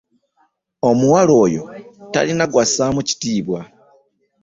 Omuwala oyo talina gwasaamu kitiibwa.